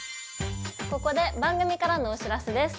ここで番組からのお知らせです。